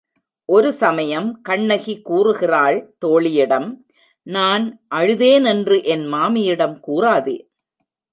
ஒரு சமயம் கண்ணகி கூறுகிறாள் தோழியிடம், நான் அழுதேனென்று என் மாமியிடம் கூறாதே.